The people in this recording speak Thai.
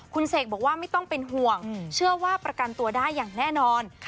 คุณเสกบอกว่าไม่ต้องเป็นห่วงเชื่อว่าประกันตัวได้อย่างแน่นอน